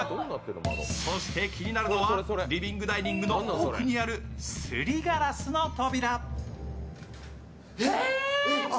そして気になるのは、リビングダイニングの奥にある、すりガラスの扉。